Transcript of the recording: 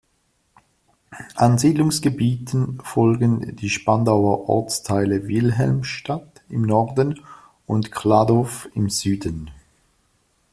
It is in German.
An Siedlungsgebieten folgen die Spandauer Ortsteile Wilhelmstadt im Norden und Kladow im Süden.